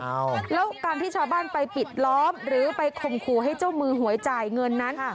แล้วการที่ชาวบ้านไปปิดล้อมหรือไปข่มขู่ให้เจ้ามือหวยจ่ายเงินนั้น